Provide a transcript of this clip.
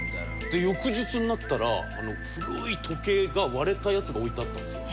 で翌日になったら古い時計が割れたやつが置いてあったんですよ。